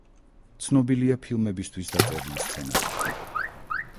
ცნობილია ფილმებისთვის დაწერილი სცენარებით.